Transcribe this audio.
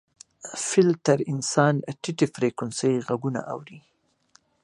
فیل تر انسان ټیټې فریکونسۍ غږونه اوري.